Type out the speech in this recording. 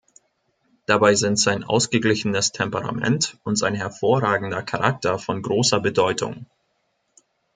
Dabei sind sein ausgeglichenes Temperament und sein hervorragender Charakter von großer Bedeutung.